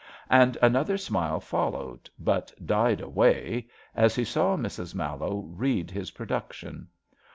And another smile followed, but died away as he saw Mrs. Mallowe read his production.